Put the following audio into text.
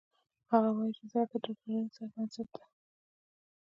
هغه وایي چې زده کړه د ټولنې بنسټ ده